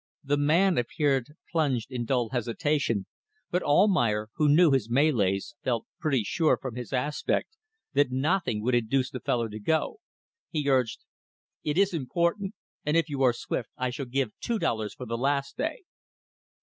The man appeared plunged in dull hesitation, but Almayer, who knew his Malays, felt pretty sure from his aspect that nothing would induce the fellow to go. He urged "It is important and if you are swift I shall give two dollars for the last day."